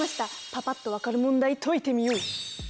パパっと分かる問題解いてみよう。